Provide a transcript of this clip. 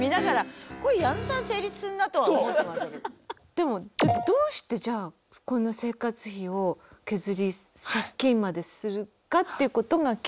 でもじゃどうしてじゃあこんな生活費を削り借金までするかっていうことが聞きたいですよね。